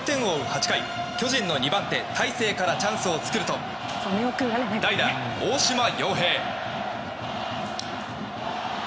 ８回巨人の２番手、大勢からチャンスを作ると代打、大島洋平。